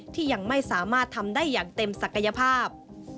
ที่ยังไม่สามารถทำได้อย่างเต็มศักยภาพ